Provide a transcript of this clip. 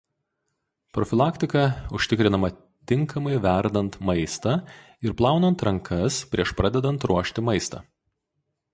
Profilaktika užtikrinama tinkamai verdant maistą ir plaunant rankas prieš pradedant ruošti maistą.